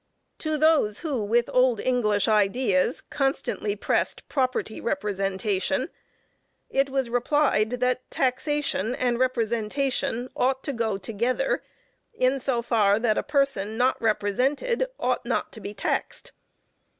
To those who with old English ideas, constantly pressed property representation, it was replied that "taxation and representation ought to go together in so far that a person not represented ought not to be taxed."